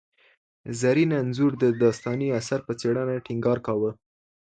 زرین انځور د داستاني اثر په څېړنه ټینګار کاوه.